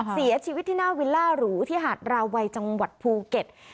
เสียชีวิตที่หน้าวิลล่าหรูที่หาดราวัยจังหวัดภูเก็ต